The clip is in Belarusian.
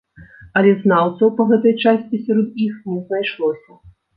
Але знаўцаў па гэтай часці сярод іх не знайшлося.